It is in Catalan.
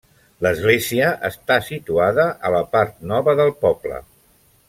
L'església està situada a la part nova del poble.